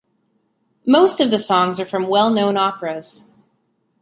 Most of the songs are from well-known operas.